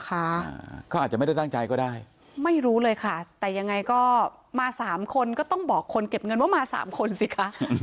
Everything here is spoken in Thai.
เขาอาจจะไม่ได้ตั้งใจก็ได้ไม่รู้เลยค่ะแต่ยังไงก็มาสามคนก็ต้องบอกคนเก็บเงินว่ามาสามคนสิคะ